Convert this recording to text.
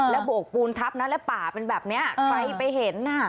แล้วโบกปูนทับนะแล้วป่าเป็นแบบนี้ใครไปเห็นน่ะ